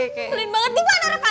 selain banget dimana reva